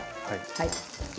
はい。